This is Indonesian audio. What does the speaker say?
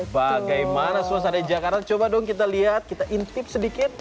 bagaimana suasana di jakarta coba dong kita lihat kita intip sedikit